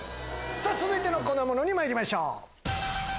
続いての粉ものにまいりましょう。